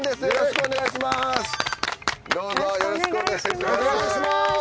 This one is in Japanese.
よろしくお願いします。